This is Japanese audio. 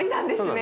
ね